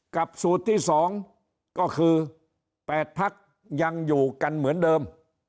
สูตรที่๒ก็คือ๘พักยังอยู่กันเหมือนเดิม